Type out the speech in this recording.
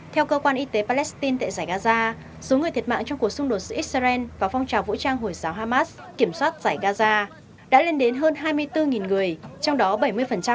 theo cơ quan y tế palestine tại giải gaza số người thiệt mạng trong cuộc xung đột giữa israel và phong trào vũ trang hồi giáo hamas kiểm soát giải gaza đã lên đến hơn hai mươi bốn người trong đó bảy mươi là phụ nữ và trẻ em